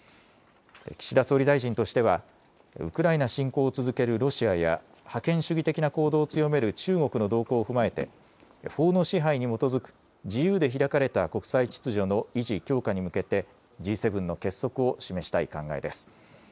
岸田総理大臣としてはウクライナ侵攻を続けるロシアや覇権主義的な行動を強める中国の動向を踏まえて法の支配に基づく自由で開かれた国際秩序の維持・強化に向けてＧ７の結束を示したい考えです。